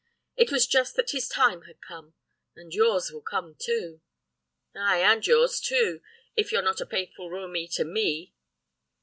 It was just that his time had come and yours will come too.' "'Ay, and yours too! if you're not a faithful romi to me.